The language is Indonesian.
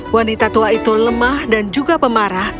wanita tua itu lemah dan juga pemarah